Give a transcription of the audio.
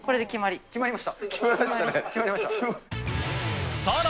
決まりました。